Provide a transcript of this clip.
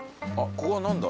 ここは何だ？